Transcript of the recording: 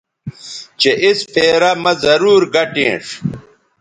چہء اِس پھیرہ مہ ضرور گٹینݜ